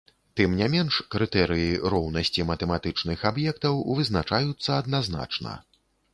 Тым не менш, крытэрыі роўнасці матэматычных аб'ектаў вызначаюцца адназначна.